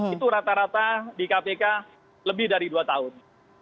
itu rata rata di kpk lebih dari dua tahun